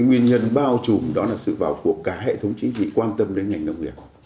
nguyên nhân bao trùm đó là sự vào cuộc cả hệ thống chính trị quan tâm đến ngành nông nghiệp